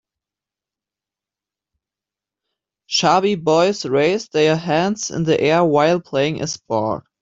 Chubby boys raise their hands in the air while playing a sport.